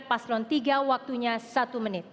paslon tiga waktunya satu menit